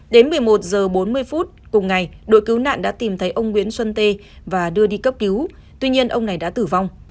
đến một mươi một h bốn mươi phút cùng ngày đội cứu nạn đã tìm thấy ông nguyễn xuân tê và đưa đi cấp cứu tuy nhiên ông này đã tử vong